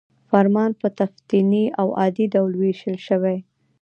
فرمان په تقنیني او عادي ډول ویشل شوی.